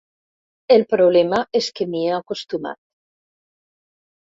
El problema és que m'hi he acostumat.